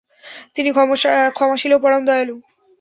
তিনি ক্ষমাশীল ও পরম দয়ালু।